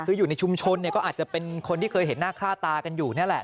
คืออยู่ในชุมชนเนี่ยก็อาจจะเป็นคนที่เคยเห็นหน้าค่าตากันอยู่นี่แหละ